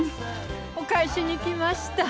お返しに来ました。